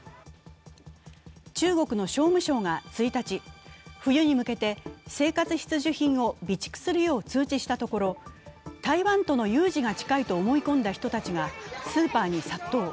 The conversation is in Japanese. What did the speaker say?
中国の商務省が１日、冬に向けて生活必需品を備蓄するよう通知したところ、台湾との有事が近いと思い込んだ人たちがスーパーに殺到。